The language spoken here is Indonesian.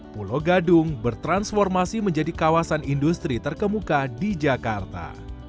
pulau gadung bertransformasi menjadi kawasan industri terkemuka di jakarta